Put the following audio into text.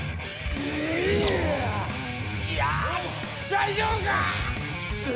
大丈夫か！